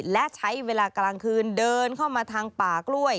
และใช้เวลากลางคืนเดินเข้ามาทางป่ากล้วย